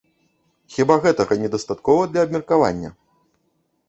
Хіба гэтага не дастаткова для абмеркавання?